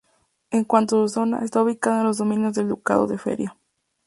En cuanto a su zona, está ubicada en los Dominios del Ducado de Feria.